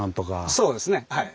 そうですねはい。